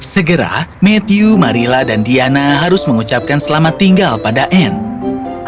segera matthew marila dan diana harus mengucapkan selamat tinggal pada anne